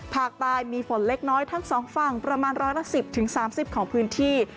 ภาคใต้มีฝนเล็กน้อยทั้งสองฝั่งประมาณร้อยละ๑๐๓๐ของพื้นที่